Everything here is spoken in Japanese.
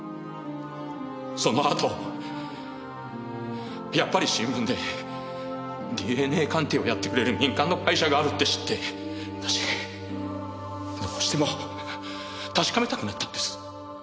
そのあとやっぱり新聞でＤＮＡ鑑定をやってくれる民間の会社があるって知って私どうしても確かめたくなったんです。